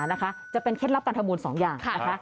นะคะจะเป็นเคล็ดลับการทำบุญสองอย่างนะคะ